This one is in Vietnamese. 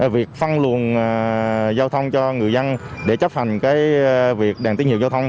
việc phân luồn giao thông cho người dân để chấp hành việc đèn tín hiệu giao thông